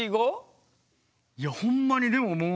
いやほんまにでももう。